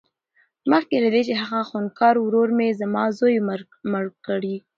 مخکې له دې چې هغه خونکار ورور دې زما زوى مړ کړي.